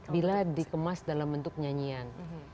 bila dikemas dalam bentuk nyanyian